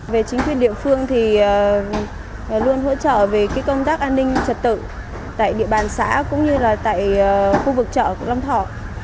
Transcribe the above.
về chính quyền địa phương thì luôn hỗ trợ về công tác an ninh trật tự tại địa bàn xã cũng như là tại khu vực chợ long thọ